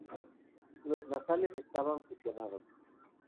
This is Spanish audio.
Los nasales estaban fusionados.